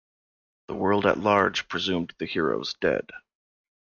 The world at large presumed the heroes dead.